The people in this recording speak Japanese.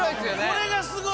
これがすごい！